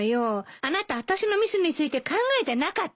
あなたあたしのミスについて考えてなかった？